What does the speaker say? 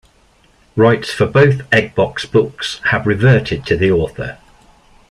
Rights for both Eggbox books have reverted to the author.